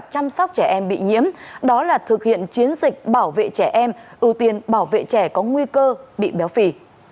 cụ thể thành phố đã có kế hoạch chăm sóc trẻ em bị nhiễm đó là thực hiện chiến dịch bảo vệ trẻ em ưu tiên bảo vệ trẻ có nguy cơ bị béo phì